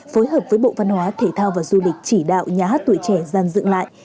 phối hợp với bộ văn hóa thể thao và du lịch chỉ đạo nhà hát tuổi trẻ gian dựng lại